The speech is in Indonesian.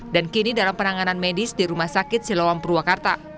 dan kini dalam penanganan medis di rumah sakit silawam purwakarta